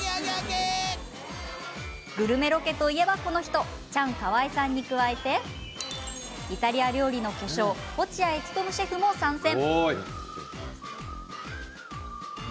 グルメロケといえば、この人チャンカワイさんに加えてイタリア料理の巨匠落合務シェフも参戦。